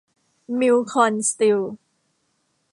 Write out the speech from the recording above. มิลล์คอน สตีล